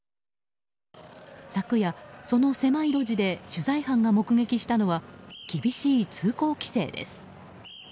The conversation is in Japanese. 昨夜、その狭い路地で取材班が目撃したのは厳しい通行規制です。